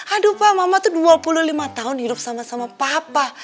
aduh pak mama tuh dua puluh lima tahun hidup sama sama papa